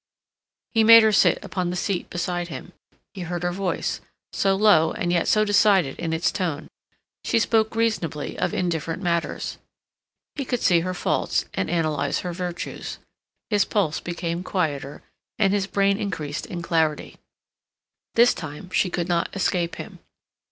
He made her sit upon the seat beside him. He heard her voice, so low and yet so decided in its tone; she spoke reasonably of indifferent matters. He could see her faults, and analyze her virtues. His pulse became quieter, and his brain increased in clarity. This time she could not escape him.